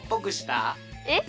えっ？